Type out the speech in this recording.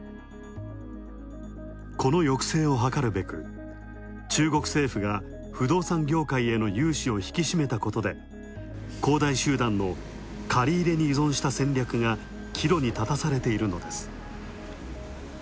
この抑制を図るべく、中国政府が不動産業界への融資を引き締めたことで恒大集団の借り入れに依存した戦略が岐路に立たされているのです。